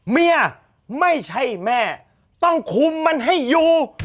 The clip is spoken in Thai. ไม่ใช่แม่ต้องคุมมันให้อยู่